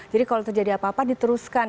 jadi kalau terjadi apa apa diteruskan